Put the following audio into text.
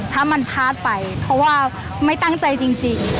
ถ้ามันพลาดไปเพราะว่าไม่ตั้งใจจริง